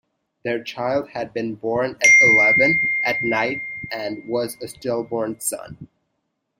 Their child had been born at eleven at night and was a stillborn son.